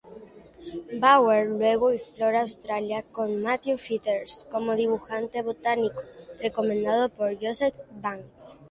Bauer luego explora Australia con Matthew Flinders como dibujante botánico, recomendado por Joseph Banks.